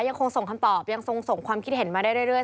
ยังคงส่งคำตอบยังคงส่งความคิดเห็นมาได้เรื่อย